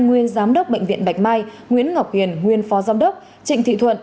nguyên giám đốc bệnh viện bạch mai nguyễn ngọc hiền nguyên phó giám đốc trịnh thị thuận